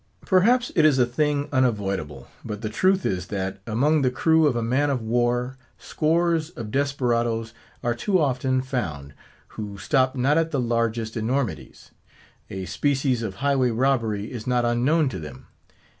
Perhaps it is a thing unavoidable, but the truth is that, among the crew of a man of war, scores of desperadoes are too often found, who stop not at the largest enormities. A species of highway robbery is not unknown to them.